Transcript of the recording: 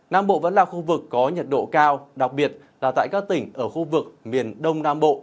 nam bộ vẫn là khu vực có nhiệt độ cao đặc biệt là tại các tỉnh ở khu vực miền đông nam bộ